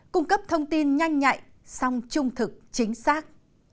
cung cấp thông tin nhanh nhạy song trung thực chính xác